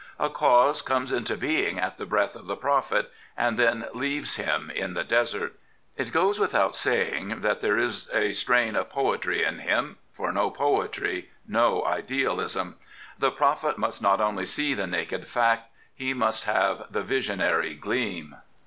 A cause comes into being at the breath of the prophet, and then leaves him in the desert. It goes without saying that there is a strain of poetry ip km, fojj no poetry^ no idealism. The prophet must not only see the naked fact; he must have the visionary gleam.